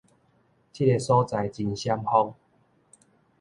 這个所在真閃風